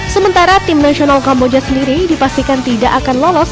sementara tim nasional kamboja sendiri dipastikan tidak akan lolos